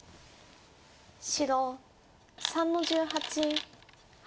白３の十八ハネ。